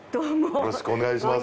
よろしくお願いします。